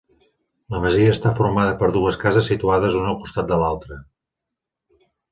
La masia està formada per dues cases situades una al costat de l'altra.